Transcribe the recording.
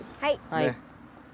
はい。